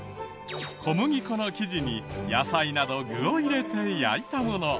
小麦粉の生地に野菜など具を入れて焼いたもの。